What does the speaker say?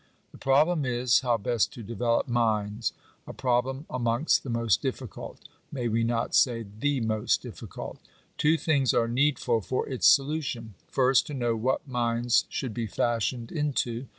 The problem is, how best to develop minds : a problem amongst the most difficult — may we not say, the most difficult? Two things are needful for its solution. First, to know what minds should be fashioned into.